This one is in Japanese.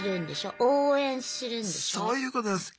そういうことです。